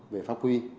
về pháp quy